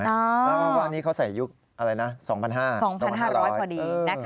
เพราะว่าวันนี้เขาใส่ยุค๒๕๐๐ประมาณ๕๐๐พอดี